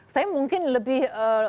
saya mungkin lebih